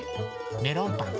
メロンパン？